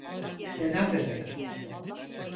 Selam bebek.